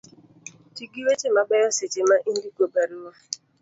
ti gi weche mabeyo seche ma indiko barua